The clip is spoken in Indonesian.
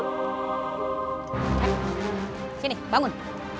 eh sini bangun